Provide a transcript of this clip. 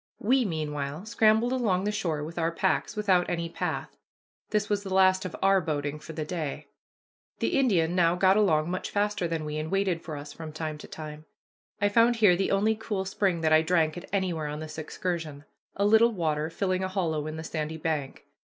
We meanwhile scrambled along the shore with our packs, without any path. This was the last of our boating for the day. The Indian now got along much faster than we, and waited for us from time to time. I found here the only cool spring that I drank at anywhere on this excursion, a little water filling a hollow in the sandy bank.